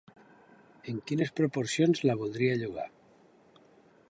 En quines proporcions la voldria llogar?